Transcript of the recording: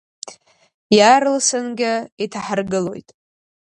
Иаарласынгьы иҭаҳаргылоит.